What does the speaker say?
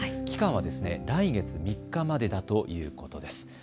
期間は来月３日までだということです。